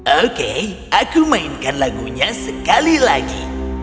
oke aku mainkan lagunya sekali lagi